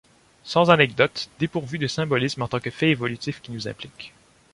Sans anecdote, dépourvue de symbolisme, en tant que fait évolutif qui nous implique.